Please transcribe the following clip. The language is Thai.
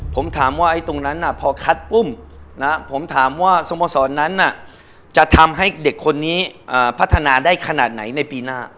ผมถามว่าตรงนั้นพอคัดปุ๊บผมถามว่าสโมสรนั้นจะทำให้เด็กคนนี้พัฒนาได้ขนาดไหนในปีหน้า